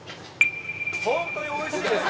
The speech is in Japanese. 本当においしいです！